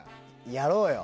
やろうよ。